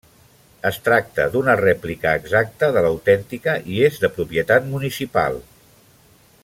Es tracta d'una rèplica exacta de l'autèntica i és de propietat municipal.